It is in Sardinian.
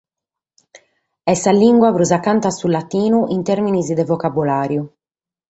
Est sa lìngua prus acanta a su latinu in tèrmines de vocabulàriu.